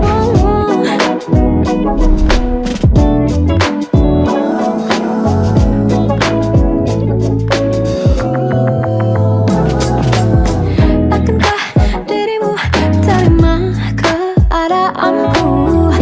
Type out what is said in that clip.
akankah dirimu terima keadaanku